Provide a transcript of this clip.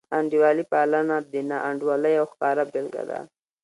انډیوالي پالنه د ناانډولۍ یوه ښکاره بېلګه ده.